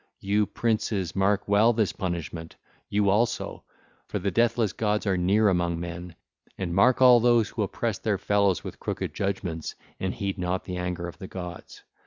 (ll. 248 264) You princes, mark well this punishment you also; for the deathless gods are near among men and mark all those who oppress their fellows with crooked judgements, and reck not the anger of the gods.